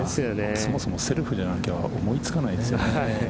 そもそもセルフじゃなきゃ思いつかないですよね。